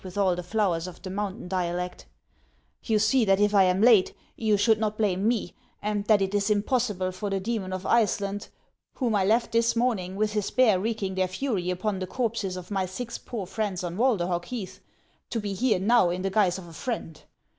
355 with all the flowers of the mountain dialect, —" you see that if I am late you should not blame me, and that it is impossible for the demon of Iceland, whom I left this morning with his bear wreaking their fury upon the corpses of my six poor friends on Walderhog heath, to be here now in the guise of a friend.